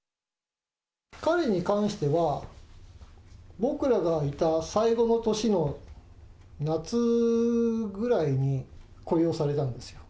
彼に関しては、僕らがいた最後の年の夏ぐらいに雇用されたんですよ。